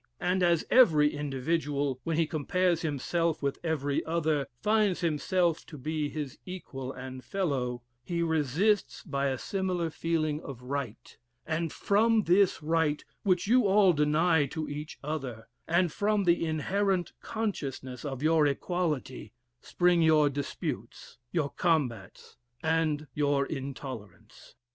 And as every individual, when he compares himself with every other, finds himself to be his equal and fellow, he resists by a similar feeling of right; and from this right, which you all deny to each other, and from the inherent consciousness of your equality, spring your disputes, your combats, and your intolerance.